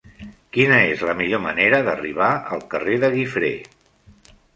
Quina és la millor manera d'arribar al carrer de Guifré?